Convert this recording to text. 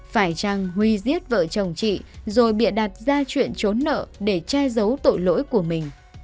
phải chăng huy giết vợ chồng chị rồi bịa đặt ra chuyện trốn nợ để che giấu tội lỗi của mình